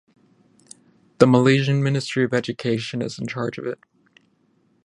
The Malaysian Ministry of Education is in charge of it.